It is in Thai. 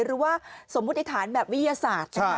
หรือว่าสมมุติฐานแบบวิทยาศาสตร์นะคะ